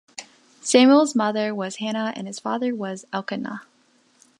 Samuel's mother was Hannah and his father was Elkanah.